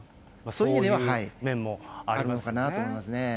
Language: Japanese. そういう面もあるのかなと思いますね。